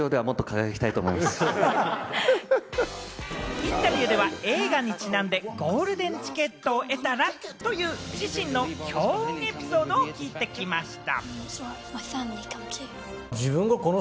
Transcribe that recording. インタビューでは、映画にちなんで、ゴールデンチケットを得たらという自身の強運エピソードを聞いてきました。